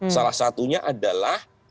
salah satunya adalah